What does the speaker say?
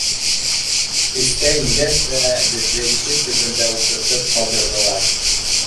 Эскә ингәс тә беҙҙе ишек төбөндә ултыртып ҡалдырҙылар.